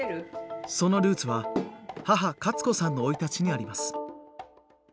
そのルーツは母カツ子さんの生い立ちにあります。